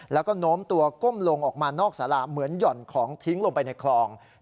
แล้วก็โน้มตัวก้มลงออกมานอกสาราเหมือนหย่อนของทิ้งลงไปในคลอง